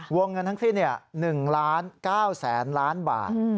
วงเงินทั้งสิ้น๑ล้าน๙แสนล้านบาท